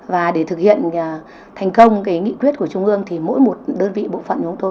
và để thực hiện thành công nghị quyết của trung ương mỗi một đơn vị bộ phận của chúng tôi